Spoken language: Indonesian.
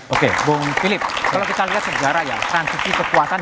oke bung philip kalau kita lihat sejarah ya transisi kepuasan